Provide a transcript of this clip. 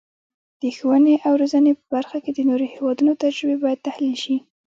د ښوونې او روزنې په برخه کې د نورو هیوادونو تجربې باید تحلیل شي.